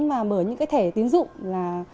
mở những thẻ tiến dụng